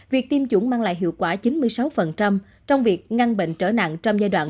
việc tiêm chủng mang lại hiệu quả chín mươi sáu trong việc ngăn bệnh trở nặng trong giai đoạn